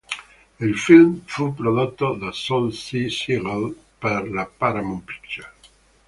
Il film fu prodotto da Sol C. Siegel per la Paramount Pictures.